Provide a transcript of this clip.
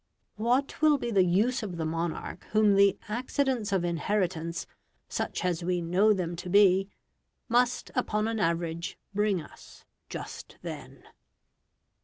What will be the use of the monarch whom the accidents of inheritance, such as we know them to be, must upon an average bring us just then?